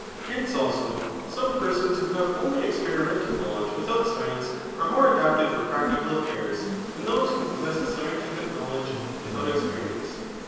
Hence, also, some persons who have only experi mental knowledge without science, are more adapted for practical affaii:s, than those who possess a scientific knowledge [without experience].